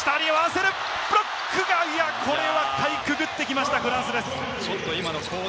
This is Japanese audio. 下に合わせ、ブロックか、ここはかいくぐってきましたフランスです。